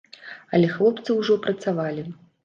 Але хлопцы ўжо працавалі.